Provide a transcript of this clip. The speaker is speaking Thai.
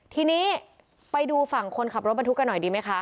ทีนี้ไปดูฝั่งคนขับรถบรรทุกกันหน่อยดีไหมคะ